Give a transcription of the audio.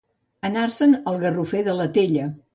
Anar-se'n al garrofer de la Tella.